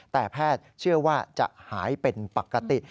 แต่แพทย์เชื่อว่าจะหายเป็นปกติ